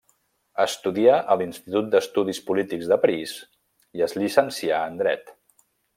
Estudià a l'Institut d'Estudis Polítics de París i es llicencià en dret.